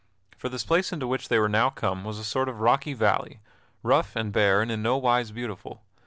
For this place into which they were now come was a sort of rocky valley, rough and bare and in no wise beautiful.